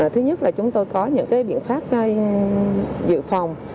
thứ nhất là chúng tôi có những biện pháp dự phòng